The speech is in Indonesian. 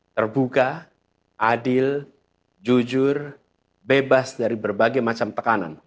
terbuka adil jujur bebas dari berbagai macam tekanan